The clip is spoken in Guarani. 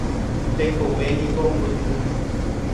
Tekovéniko mbyky